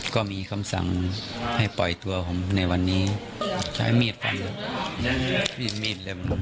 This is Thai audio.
ก็มีคำสั่งให้ปล่อยตัวผมในวันนี้ใช้มีดฟันนี้